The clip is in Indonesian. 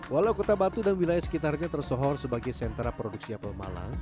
walau kota batu dan wilayah sekitarnya tersohor sebagai sentra produksi apel malang